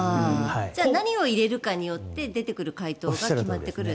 じゃあ何を入れるかによって出てくる回答が決まってくると。